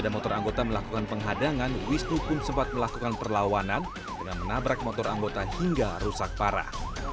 ada motor anggota melakukan penghadangan wisnu pun sempat melakukan perlawanan dengan menabrak motor anggota hingga rusak parah